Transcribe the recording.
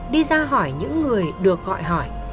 đi ra hỏi những người được hỏi